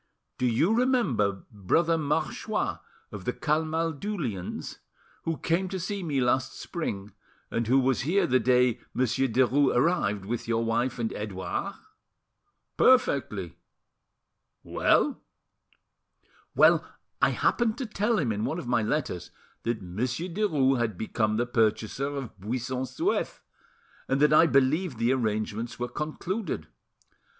"Do you remember Brother Marchois of the Camaldulians, who came to see me last spring, and who was here the day Monsieur Derues arrived, with your wife and Edouard?" "Perfectly. Well?" "Well, I happened to tell him in one of my letters that Monsieur Derues had become the purchaser of Buisson Souef, and that I believed the arrangements were concluded.